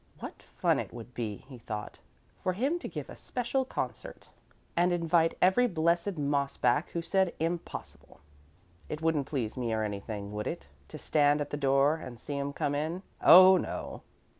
"What fun it would be," he thought, "for him to give a special concert, and invite every blessed moss back who said 'impossible!' It wouldn't please me or anything, would it, to stand at the door and see 'em come in? Oh, no!"